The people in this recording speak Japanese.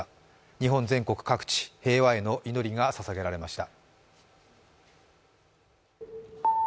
日本全国各地、平和への祈りがささげられました。